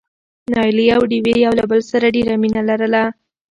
نايلې او ډوېوې يو له بل سره ډېره مينه لرله.